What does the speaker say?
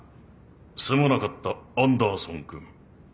すまなかったアンダーソンくん。